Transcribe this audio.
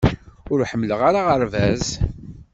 Ur ḥemmleɣ ara aɣerbaz